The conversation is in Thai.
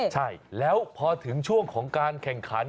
ใช่แล้วพอถึงช่วงของการแข่งขัน